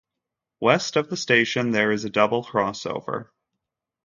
West of the station there is a double crossover.